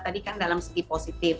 tadi kan dalam segi positif